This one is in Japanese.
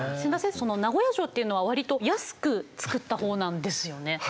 その名古屋城というのはわりと安く造った方なんですよね。